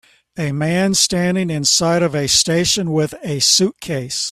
A man standing inside of a station with a suitcase